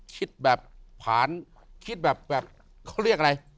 คิดแบบผ่านเขาเรียกอะไร